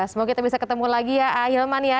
semoga kita bisa ketemu lagi ya ahilman ya